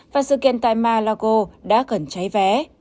và sự kiện tại mar a lago đã cần cháy vé